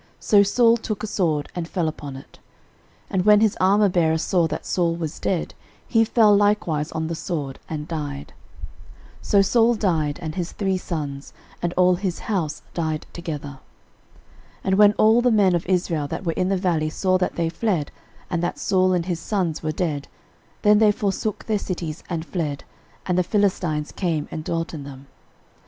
So Saul took a sword, and fell upon it. 13:010:005 And when his armourbearer saw that Saul was dead, he fell likewise on the sword, and died. 13:010:006 So Saul died, and his three sons, and all his house died together. 13:010:007 And when all the men of Israel that were in the valley saw that they fled, and that Saul and his sons were dead, then they forsook their cities, and fled: and the Philistines came and dwelt in them.